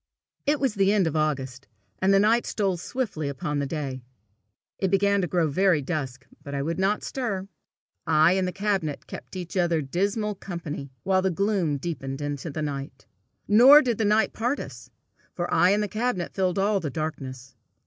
It was the end of August, and the night stole swiftly upon the day. It began to grow very dusk, but I would not stir. I and the cabinet kept each other dismal company while the gloom deepened into night. Nor did the night part us, for I and the cabinet filled all the darkness.